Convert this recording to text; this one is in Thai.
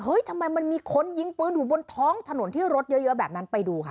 ทำไมมันมีคนยิงปืนอยู่บนท้องถนนที่รถเยอะแบบนั้นไปดูค่ะ